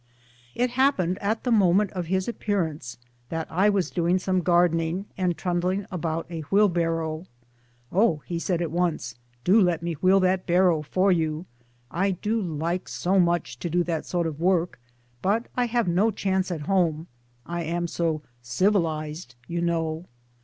It happened at the moment of his appearance that I was doing some gardening and trundling about a wheelbarrow. " Oh," he said at once, " do let me wheel that barrow for you ; I do like so much] to do that sort of work, but I have no chance at home I am so civilized you know."